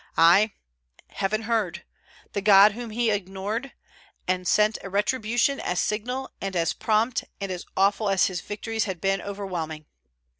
Ay, Heaven heard, the God whom he ignored, and sent a retribution as signal and as prompt and as awful as his victories had been overwhelming.